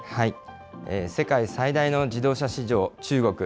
世界最大の自動車市場、中国。